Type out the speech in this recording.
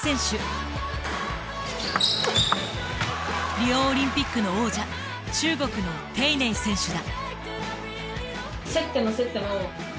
リオオリンピックの王者中国の丁寧選手だ。